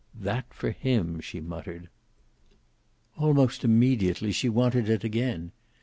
"That for him!" she muttered. Almost immediately she wanted it again.